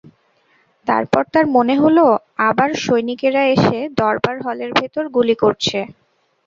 এরপর তাঁর মনে হলো, আবার সৈনিকেরা এসে দরবার হলের ভেতর গুলি করছে।